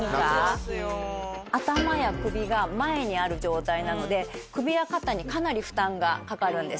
頭や首が前にある状態なので首や肩にかなり負担がかかるんです。